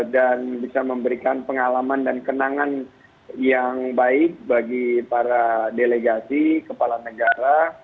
dan bisa memberikan pengalaman dan kenangan yang baik bagi para delegasi kepala negara